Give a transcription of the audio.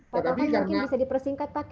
pak apakah mungkin bisa dipersingkat pak